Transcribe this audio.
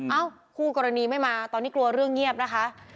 เอ้าคู่กรณีไม่มาตอนนี้กลัวเรื่องเงียบนะคะ